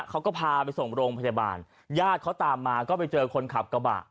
เขาก็พาไปส่งโรงพยาบาลญาติเขาตามมาก็ไปเจอคนขับกระบะ